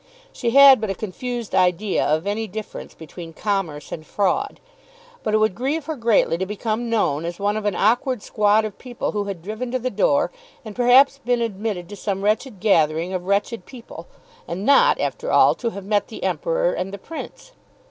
She had but a confused idea of any difference between commerce and fraud. But it would grieve her greatly to become known as one of an awkward squad of people who had driven to the door, and perhaps been admitted to some wretched gathering of wretched people, and not, after all, to have met the Emperor and the Prince.